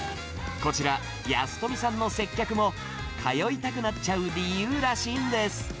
こちら、安富さんの接客も、通いたくなっちゃう理由らしいんです。